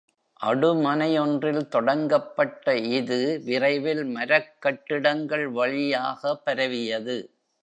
அடுமனை ஒன்றில் தொடங்கப்பட்ட இது விரைவில் மரக் கட்டிடங்கள் வழியாக பரவியது.